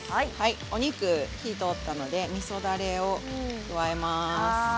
お肉に火が通ったのでみそだれを加えます。